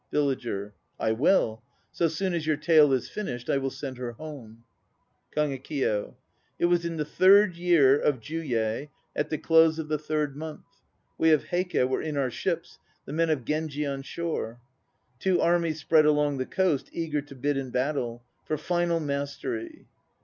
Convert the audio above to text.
VILLAGER. I will. So soon as your tale is finished, I will send her home. KAGEKIYO. It was in the third year of Juyei, 1 At the close of the third month. We of Heike were in our ships, The men of Genji on shore. Two armies spread along the coast Eager to bid in battle . For final mastery.